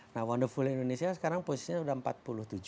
nah wonderful indonesia sekarang posisinya sudah empat puluh tujuh